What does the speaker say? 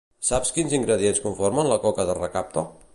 Saps quins ingredients conformen la coca de recapte?